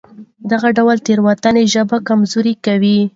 دغه ډول تېروتنې ژبه کمزورې کوي.